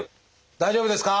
大丈夫ですか？